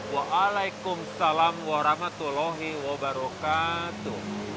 waalaikumsalam warahmatullahi wabarakatuh